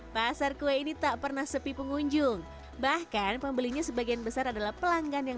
pasar kue ini tak pernah sepi pengunjung bahkan pembelinya sebagian besar adalah pelanggan yang